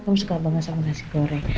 kamu suka banget sama nasi goreng